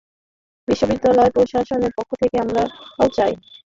বিশ্ববিদ্যালয় প্রশাসনের পক্ষ থেকে আমরাও চাই, দিয়াজের মৃত্যুর ঘটনায় সুষ্ঠু তদন্ত হোক।